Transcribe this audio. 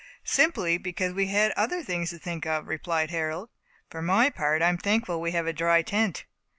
"Simply because we had other things to think of," replied Harold. "For my part, I am thankful that we have a dry tent."